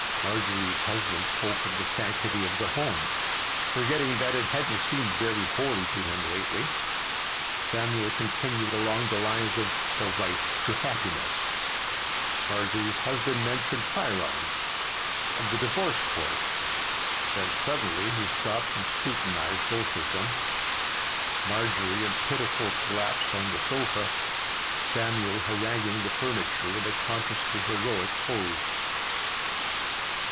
Marjorie's husband spoke of the sanctity of the home, forgetting that it hadn't seemed very holy to him lately; Samuel continued along the line of "the right to happiness"; Marjorie's husband mentioned firearms and the divorce court. Then suddenly he stopped and scrutinized both of them—Marjorie in pitiful collapse on the sofa, Samuel haranguing the furniture in a consciously heroic pose.